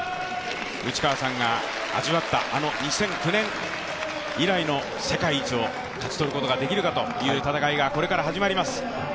内川さんが味わったあの２００９年以来の世界一を勝ち取ることができるかという戦いがこれから始まります。